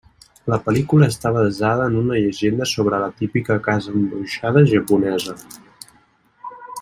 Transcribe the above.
La pel·lícula està basada en una llegenda sobre la típica casa embruixada japonesa.